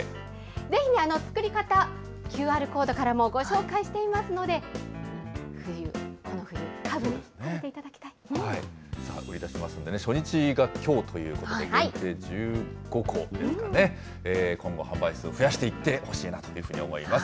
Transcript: ぜひ作り方、ＱＲコードからもご紹介していますので、冬、この冬、初日がきょうということで、１５個ですかね、今後、販売数を増やしていってほしいなと思います。